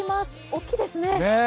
大きいですね。